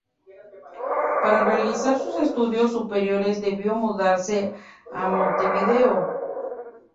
Para realizar sus estudios superiores debió mudarse a Montevideo.